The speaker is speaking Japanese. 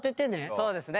そうですね。